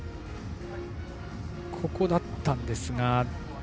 ここだったんですが。